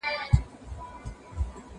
دا زده کړه له هغه ګټوره ده،